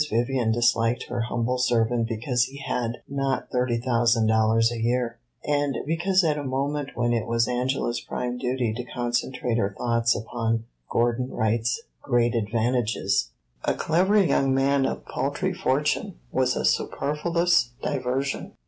Vivian disliked her humble servant because he had not thirty thousand dollars a year, and because at a moment when it was Angela's prime duty to concentrate her thoughts upon Gordon Wright's great advantages, a clever young man of paltry fortune was a superfluous diversion.